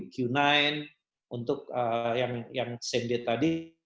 q sembilan untuk yang sam date tadi